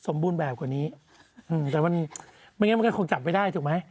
สมบูรณ์แบบกว่านี้แต่มันไม่งั้นมันก็คงจับไม่ได้ถูกไหม